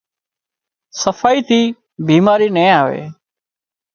صفائي ٿي بيماري نين آووي